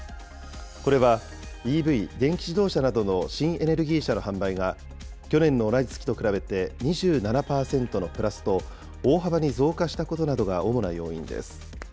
これは、ＥＶ・電気自動車などの新エネルギー車の販売が、去年の同じ月と比べて、２７％のプラスと、大幅に増加したことなどが主な要因です。